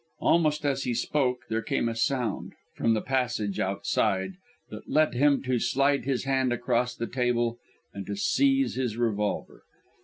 Almost as he spoke there came a sound, from the passage outside, that led him to slide his hand across the table and to seize his revolver.